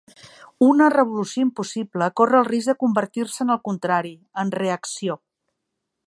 Una revolució impossible corre el risc de convertir-se en el contrari: en reacció.